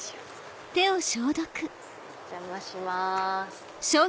お邪魔します。